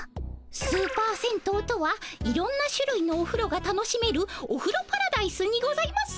スーパー銭湯とはいろんなしゅるいのおふろが楽しめるおふろパラダイスにございます。